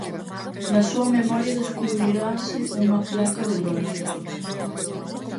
Na súa memoria descubrirase unha placa de bronce.